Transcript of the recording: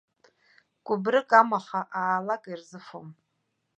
Кәыбрык амаха аа-лак ирзыфом.